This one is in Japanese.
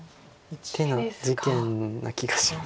手な事件な気がします。